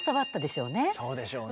そうでしょうね。